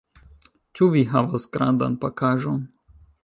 Ĉu vi havas grandan pakaĵon?